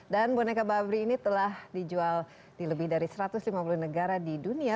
dan boneka barbie ini telah dijual di lebih dari satu ratus lima puluh negara di dunia